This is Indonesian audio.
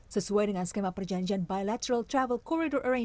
sesuai dengan skema perjanjian bilateral travel corridor arrange